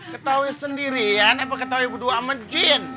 ketawain sendirian apa ketawain ibu dua sama jin